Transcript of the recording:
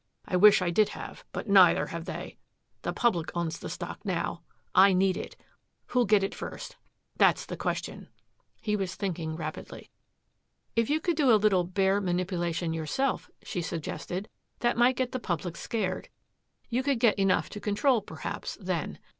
I wish I did have. But neither have they. The public owns the stock now. I need it. Who'll get it first that's the question!" He was thinking rapidly. "If you could do a little bear manipulation yourself," she suggested. "That might get the public scared. You could get enough to control, perhaps, then.